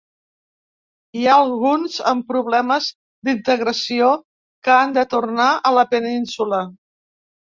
Hi ha alguns amb problemes d’integració que han de tornar a la península.